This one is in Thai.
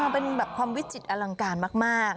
เป็นแบบความวิจิตรอลังการมาก